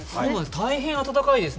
大変暖かいです。